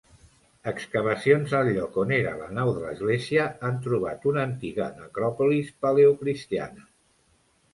Excavacions al lloc on era la nau de l'església han trobat una antiga necròpolis paleocristiana.